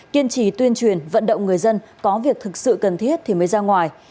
kiên trì tuyên truyền vận động người dân có việc thực sự cần thiết thì mới ra ngoài